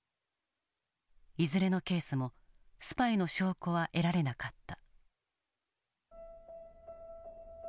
いずれのケースもスパイの証拠は得られなかった。